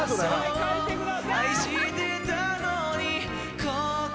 はい書いてください